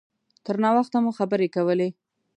تر ناوخته مو خبرې کولې.